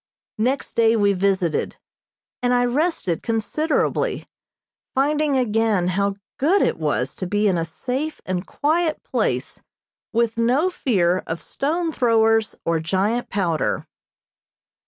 Next day we visited, and I rested considerably, finding again how good it was to be in a safe and quiet place with no fear of stone throwers or giant powder.